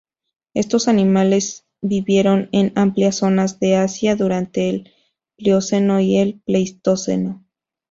Estos animales vivieron en amplias zonas de Asia durante el Plioceno y el Pleistoceno.